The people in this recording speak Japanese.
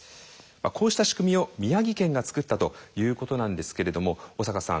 こうした仕組みを宮城県が作ったということなんですけれども小坂さん